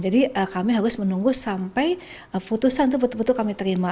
jadi kami harus menunggu sampai putusan itu betul betul kami terima